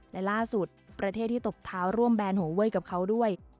และล่าสุดประเทศที่ตบเท้าร่วมแบนโหเว้ยกับเขาด้วย